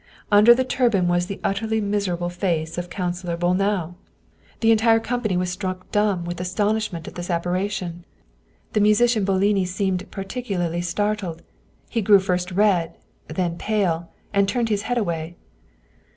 Un der the turban was the utterly miserable face of Councilor 128 Wilhelm Hauff Bolnau! The entire company was struck dumb with as tonishment at this apparition. The musician Boloni seemed particularly startled ; he grew first red, then pale, and turned his head away.